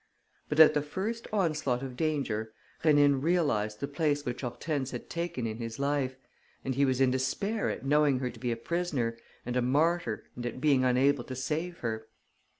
But, at the first onslaught of danger, Rénine realized the place which Hortense had taken in his life and he was in despair at knowing her to be a prisoner and a martyr and at being unable to save her.